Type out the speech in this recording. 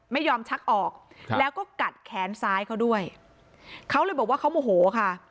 ไม่ยอมชักออกแล้วก็กัดแขนซ้ายเขาด้วยเขาเลยบอกว่าเขาโมโหค่ะ